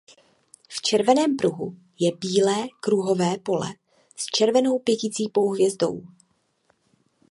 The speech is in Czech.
V červeném pruhu je bílé kruhové pole s červenou pěticípou hvězdou.